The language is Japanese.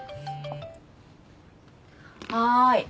はい。